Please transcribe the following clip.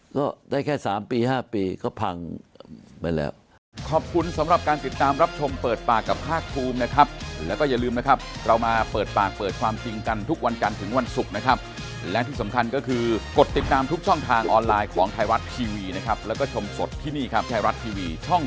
ก็ได้แค่๓ปี๕ปีก็พังไปแล้ว